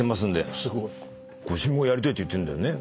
やりたいって言ってんだよね？